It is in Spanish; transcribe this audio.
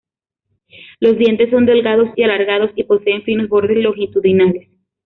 Los dientes son delgados y alargados y poseen finos bordes longitudinales.